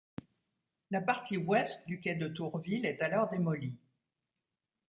La partie ouest du quai de Tourville est alors démolie.